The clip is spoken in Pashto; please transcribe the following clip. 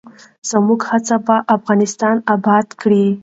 زموږ هڅې به افغانستان اباد کړي.